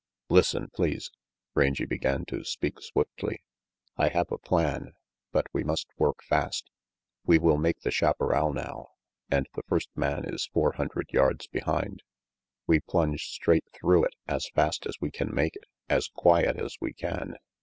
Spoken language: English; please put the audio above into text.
"Listen, please." Rangy began to speak swiftly. "I have a plan. But we must work fast. We will make the chaparral now and the first man is four hundred yards behind. We plunge straight through it, as fast as we can make it, as quiet as we can.